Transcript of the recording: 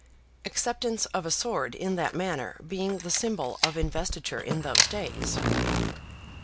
(acceptance of a sword in that manner being the symbol of investiture in those days.)